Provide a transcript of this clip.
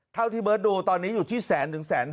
เท่าที่เบิศดูตอนนี้อยู่ที่แสน๑๑๕๐๐๐